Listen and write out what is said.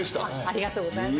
ありがとうございます。